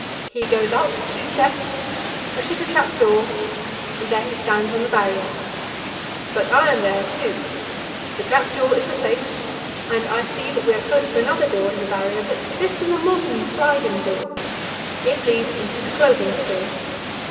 He goes up two steps, pushes a trap door, and there he stands on the Barrier but I am there, too. The trap door is replaced, and I see that we are close to another door in the Barrier, but this is a modern sliding door. It leads into the clothing store.